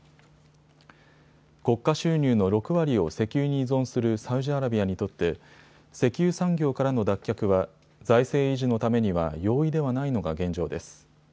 国家収入の６割を石油に依存するサウジアラビアにとって石油産業からの脱却は財政維持のためには容易ではないのが現状です。